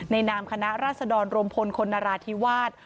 นามคณะราษดรรวมพลคนนราธิวาส